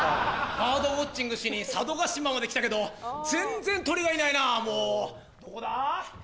バードウオッチングしに佐渡島まで来たけど全然鳥がいないなもうどこだ？